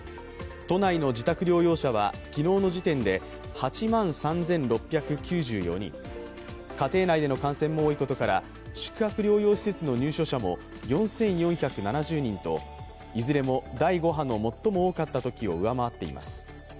都内の自宅療養者は昨日の時点で８万３６９４人家庭内での感染も多いことから宿泊療養施設の入所者も４４７０人といずれも第５波の最も多かったときを上回っています。